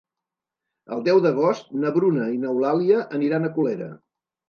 El deu d'agost na Bruna i n'Eulàlia aniran a Colera.